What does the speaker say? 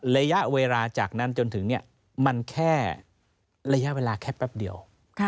ระยะเวลาจากนั้นจนถึงมันแค่ระยะเวลาแค่แป๊บเดียว